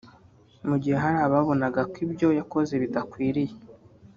mu gihe hari ababonaga ko ibyo yakoze bidakwiye